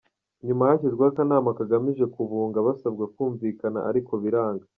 Nyuma hashyizweho akanama kagamije kubunga basabwa kumvikana ariko biranga.